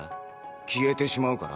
消えてしまうから？